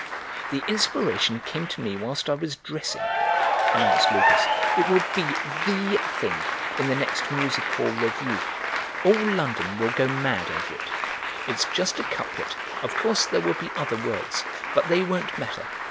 "The inspiration came to me whilst I was dressing," announced Lucas; "it will be the thing in the next music hall revue. All London will go mad over it. It's just a couplet; of course there will be other words, but they won't matter.